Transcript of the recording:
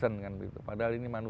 aku terus mencari teman